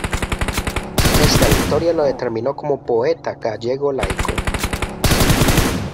Esta victoria lo determinó como poeta gallego laico.